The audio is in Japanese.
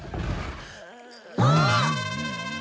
あっ！